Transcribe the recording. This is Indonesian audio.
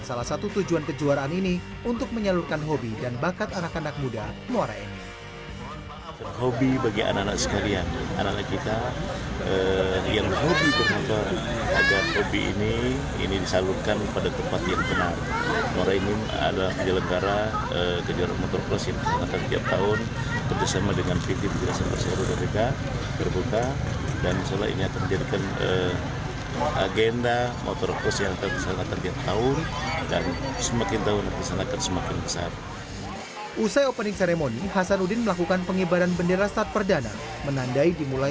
salah satu tujuan kejuaraan ini untuk menyalurkan hobi dan bakat anak anak muda muara enim